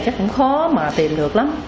chắc cũng khó mà tìm được lắm